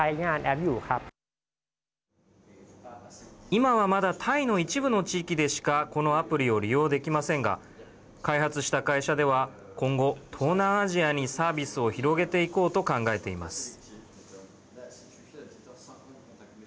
今はまだタイの一部の地域でしかこのアプリを利用できませんが開発した会社では今後、東南アジアにサービスを広げていこうと考えています。